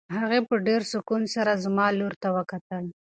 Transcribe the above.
هغې په ډېر سکون سره زما لوري ته وکتل.